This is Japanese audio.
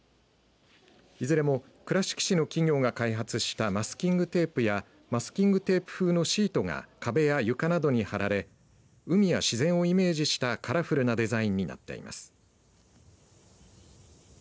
いずれも倉敷市の企業が開発したマスキングテープやマスキングテープ風のシートが壁や床などに貼られ海や自然をイメージしたカラフルなデザインになっています。